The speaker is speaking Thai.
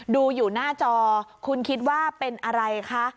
ดูอยู่หน้าจอคุณคิดว่าเป็นอะไรคะ